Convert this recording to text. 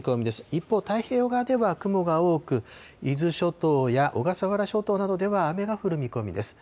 一方、太平洋側では雲が多く、伊豆諸島や小笠原諸島などでは雨が降る見込みです。